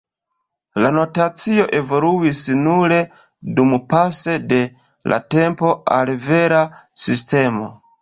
La notacio evoluis nur dumpase de la tempo al vera "sistemo".